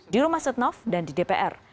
di rumah setnov dan di dpr